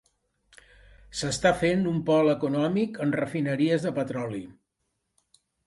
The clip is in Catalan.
S'està fent un pol econòmic, amb refineries de petroli.